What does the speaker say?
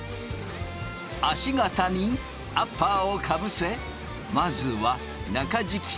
足型にアッパーをかぶせまずは中敷きと合体させる。